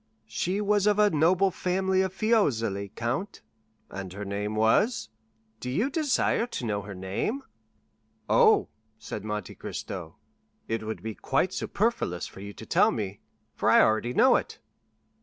"She was of a noble family of Fiesole, count." "And her name was——" "Do you desire to know her name——?" "Oh," said Monte Cristo "it would be quite superfluous for you to tell me, for I already know it."